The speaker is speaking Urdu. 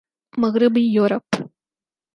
مغربی یورپ